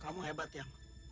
kamu hebat ya